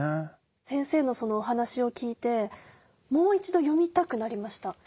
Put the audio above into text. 先生のそのお話を聞いてもう一度読みたくなりました。